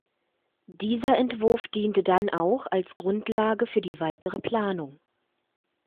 Dieser Entwurf diente dann auch als Grundlage für die weitere Planung.